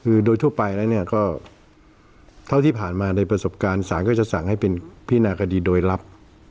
คือโดยทั่วไปแล้วเนี่ยก็เท่าที่ผ่านมาในประสบการณ์สารก็จะสั่งให้เป็นพินาคดีโดยลับ